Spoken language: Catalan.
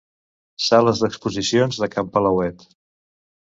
Sales d'exposicions de Can Palauet.